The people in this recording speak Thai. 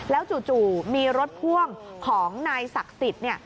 แล้วจู่มีรถพ่วงของนายศักดิ์ศิษย์